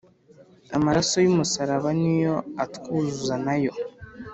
Amaraso y'Umusaraba Ni yo atwuzuza na Yo.